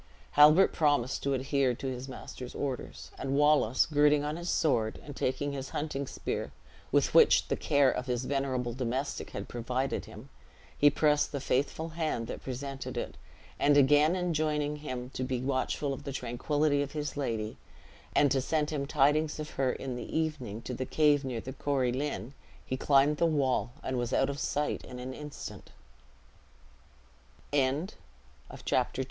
Halbert promised to adhere to his master's orders; and Wallace, girding on his sword, and taking his hunting spear (with which the care of his venerable domestic had provided him), he pressed the faithful hand that presented it, and again enjoining him to be watchful of the tranquillity of his lady, and to send him tidings of her in the evening, to the cave near the Corie Lynn, he climbed the wall, and was out of sight in an instant. Chapter III. Ellerslie.